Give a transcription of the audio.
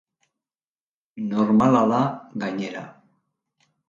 Normala da, gainera.